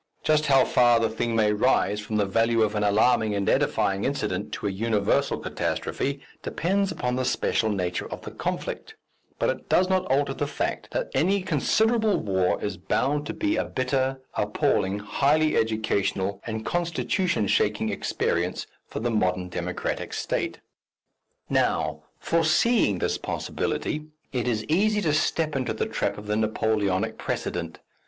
Just how far the thing may rise from the value of an alarming and edifying incident to a universal catastrophe, depends upon the special nature of the conflict, but it does not alter the fact that any considerable war is bound to be a bitter, appalling, highly educational and constitution shaking experience for the modern democratic state. Now, foreseeing this possibility, it is easy to step into the trap of the Napoleonic precedent.